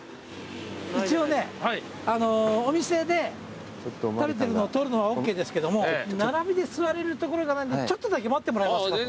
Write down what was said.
一応ねお店で食べてるのを撮るのはＯＫですけども並びで座れる所がないんでちょっとだけ待ってもらえますかって。